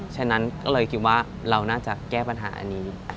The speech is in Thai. ฉะนั้นก็เลยคิดว่าเราน่าจะแก้ปัญหาอันนี้